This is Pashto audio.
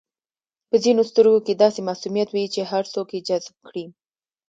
په ځینو سترګو کې داسې معصومیت وي چې هر څوک یې جذب کړي.